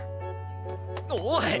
おい！